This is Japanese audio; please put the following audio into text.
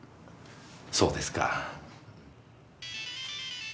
そうですか。